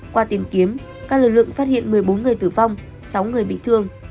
qua tìm kiếm các lực lượng phát hiện một mươi bốn người tử vong sáu người bị thương